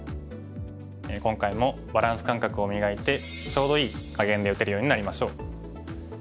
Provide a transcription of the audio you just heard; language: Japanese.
今回もバランス感覚を磨いてちょうど“いい”かげんで打てるようになりましょう。